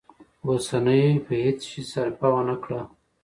اوسنيو په هیڅ شي سرپه ونه کړه.